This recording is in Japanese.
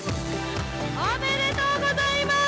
おめでとうございます！